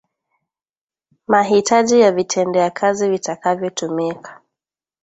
Mahitaji ya Vitendea kazi vitakavyotumika